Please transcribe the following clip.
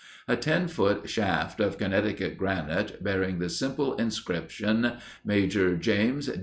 A ten foot shaft of Connecticut granite, bearing the simple inscription, "Maj. Jas.